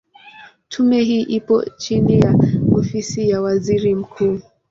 Tume hii ipo chini ya Ofisi ya Waziri Mkuu.